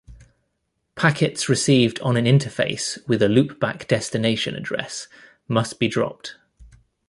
Packets received on an interface with a loopback destination address must be dropped.